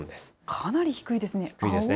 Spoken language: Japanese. かなり低いですね。